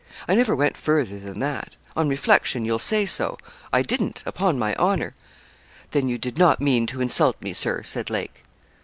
I never went further than that. On reflection, you'll say so. I didn't upon my honour.' 'Then you did not mean to insult me, Sir,' said Lake.